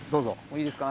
いいですか？